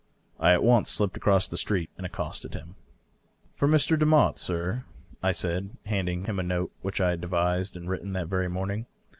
I at once slipped across the street and accosted him. " For Mr. Demotte, sir," I said, handing him a note which I had devised and written that very morning.